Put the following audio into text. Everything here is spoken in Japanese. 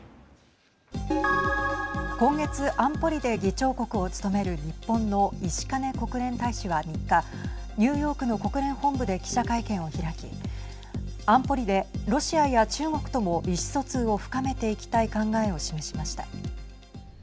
今月、安保理で議長国を務める日本の石兼国連大使は３日ニューヨークの国連本部で記者会見を開き安保理でロシアや中国とも意思疎通を深めていきたい考えを示しました。